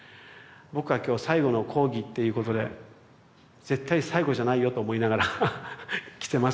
僕は今日「最後の講義」っていうことで絶対に最後じゃないよと思いながら来てますけど。